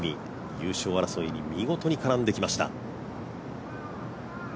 優勝争いに見事に絡んできました。